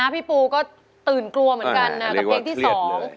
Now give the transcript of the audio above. พี่ปูก็ตื่นกลัวเหมือนกันนะกับเพลงที่สอง